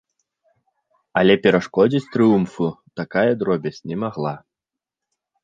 Але перашкодзіць трыумфу такая дробязь не магла.